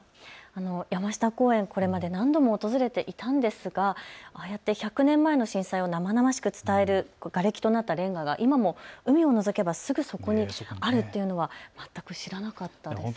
山下公園、これまで何度も訪れていたんですがああやって１００年前の震災を生々しく伝えるがれきとなったレンガが今も海をのぞけばすぐそこにあるというのは全く知らなかったです。